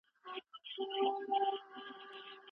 موږ حساب په اسانۍ کوو.